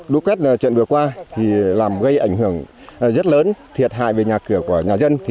đối với chuyện vừa qua làm gây ảnh hưởng rất lớn thiệt hại về nhà cửa của nhà dân